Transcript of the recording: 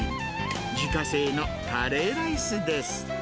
自家製のカレーライスです。